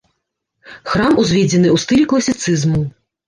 Храм узведзены ў стылі класіцызму.